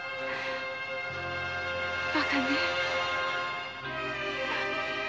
バカね。